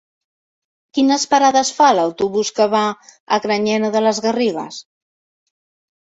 Quines parades fa l'autobús que va a Granyena de les Garrigues?